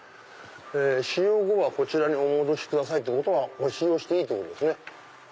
使用後はこちらにお戻しくださいってことは使用していいってことですね。